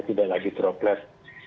tidak lagi droplet